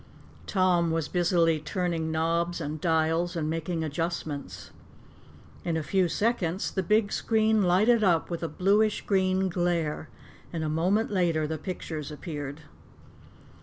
Tom was busily turning knobs and dials and making adjustments. In a few seconds the big screen lighted up with a bluish green glare and a moment later the pictures appeared.